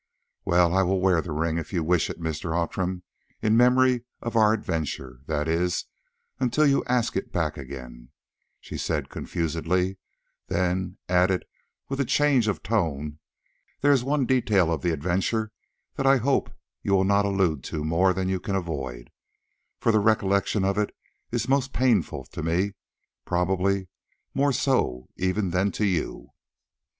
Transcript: "Well, I will wear the ring, if you wish it, Mr. Outram, in memory of our adventure—that is, until you ask it back again," she said confusedly; then added with a change of tone: "There is one detail of the adventure that I hope you will not allude to more than you can avoid, for the recollection of it is most painful to me, probably more so even than to you."